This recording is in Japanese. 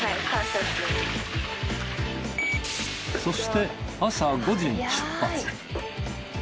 そして朝５時に出発。